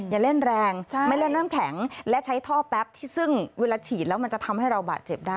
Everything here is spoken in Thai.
อย่าเล่นแรงไม่เล่นน้ำแข็งและใช้ท่อแป๊บที่ซึ่งเวลาฉีดแล้วมันจะทำให้เราบาดเจ็บได้